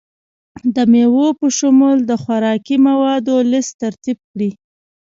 د میوو په شمول د خوراکي موادو لست ترتیب کړئ.